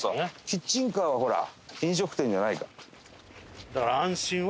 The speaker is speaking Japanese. キッチンカーはほら飲食店じゃないから。